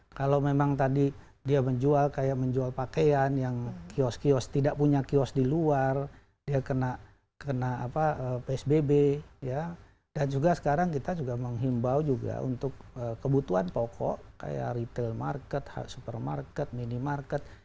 kalau memang tadi dia menjual kayak menjual pakaian yang kios kios tidak punya kios di luar dia kena psbb dan juga sekarang kita juga menghimbau juga untuk kebutuhan pokok kayak retail market supermarket minimarket